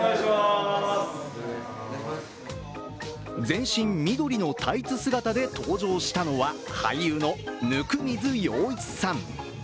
全身緑のタイツ姿で登場したのは俳優の温水洋一さん。